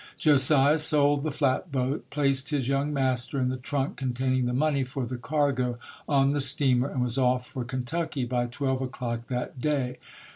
Josiah sold the flat boat, placed his young master and the trunk containing the money for the cargo on the steamer and was off for Ken tucky by twelve o'clock that day.